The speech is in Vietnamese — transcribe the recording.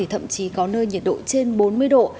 thậm chí có nơi nhiệt độ trên bốn mươi độ